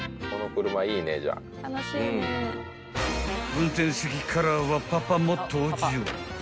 ［運転席からはパパも登場］